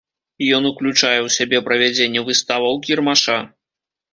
Ён уключае ў сябе правядзенне выставаў, кірмаша.